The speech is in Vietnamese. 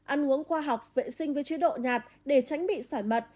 ăn uống khoa học vệ sinh với chế độ nhạt để tránh bị sỏi mật